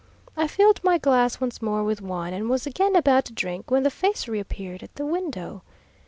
I filled my glass once more with wine, and was again about to drink, when the face reappeared at the window.